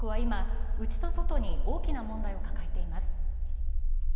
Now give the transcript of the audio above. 中国は今、内と外に大きな問題を抱えています。